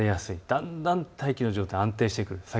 だんだんと天気の状態、安定してくる。